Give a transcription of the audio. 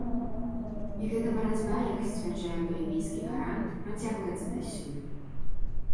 І гэта барацьба, як сцвярджае балівійскі гарант, працягваецца дасюль.